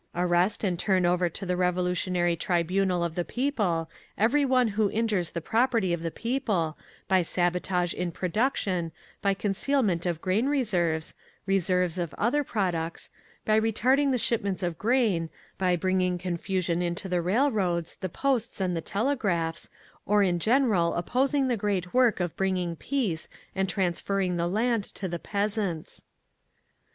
Arrest and turn over to the Revolutionary Tribunal of the People every one who injures the property of the People, by sabotage in production, by concealment of grain reserves, reserves of other products, by retarding the shipments of grain, by bringing confusion into the railroads, the posts and the telegraphs, or in general opposing the great work of bringing Peace and transferring the Land to the peasants….